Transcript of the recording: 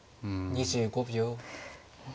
２５秒。